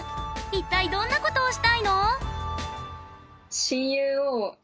一体どんなことをしたいの？